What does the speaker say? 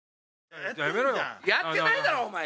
やってないだろお前。